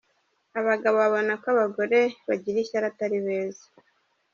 Abagabo babona ko abagore bagira ishyari atari beza.